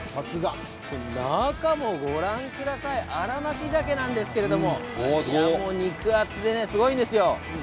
中も、ご覧ください新巻ざけなんですけれど肉厚で、すごいんですよ。